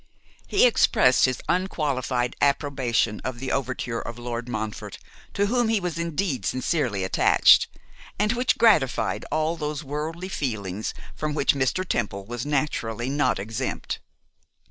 He expressed his unqualified approbation of the overture of Lord Montfort, to whom he was indeed sincerely attached, and which gratified all those worldly feelings from which Mr. Temple was naturally not exempt.